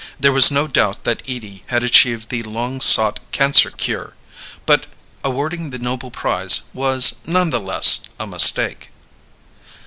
There was no doubt that Edie had achieved the long sought cancer cure ... but awarding the Nobel Prize was, nonetheless, a mistake